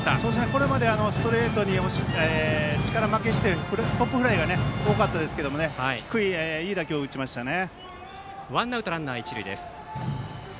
これまでストレートに力負けしてポップフライが多かったんですが低い、いい打球を打ちましたね。